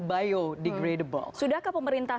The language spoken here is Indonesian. biodegradable sudahkah pemerintah